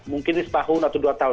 mungkin sepahun atau dua tahun